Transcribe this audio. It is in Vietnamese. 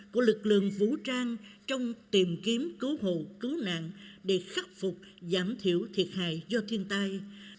của lực lượng vũ trang trong tìm kiếm cứu hộ cứu nạn để khắc phục giảm thiểu thiệt hại do thiên tai